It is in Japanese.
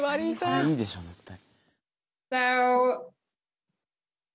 これいいでしょ絶対。